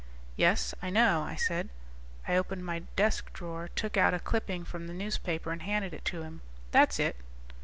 "Yes, I know," I said. I opened my desk drawer, took out a clipping from the newspaper, and handed it to him. "That's it."